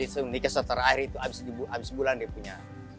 ike seterakhir itu habis sebulan dia punya